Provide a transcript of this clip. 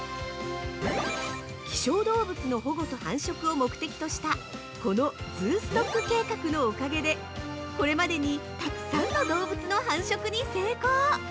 希少動物の保護と繁殖を目的としたこのズーストック計画のおかげでこれまでにたくさんの動物の繁殖に成功！